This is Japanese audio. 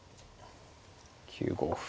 ９五歩。